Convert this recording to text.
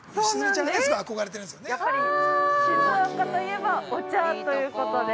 ◆やっぱり静岡といえばお茶ということで。